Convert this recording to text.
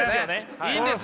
いいんですよ。